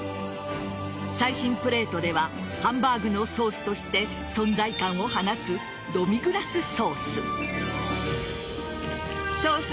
最新プレートではハンバーグのソースとして存在感を放つドミグラスソース。